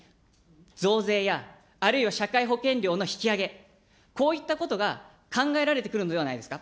増税やあるいは社会保険料の引き上げ、こういったことが、考えられてくるのではないですか。